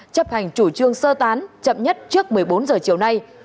chấp hành chủ trương sơ tán chậm nhất trước một mươi bốn giờ chiều nay